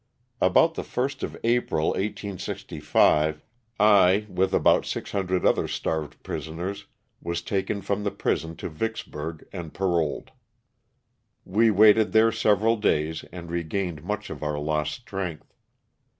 About the Ist of April, 1865, I, with aboac 600 other starved prisoners, waa taken from the prison to Vicksburg and paroled. We waited there several days and regained much of our lost strength.